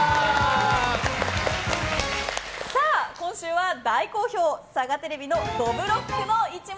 今週は大好評サガテレビ「どぶろっくの一物」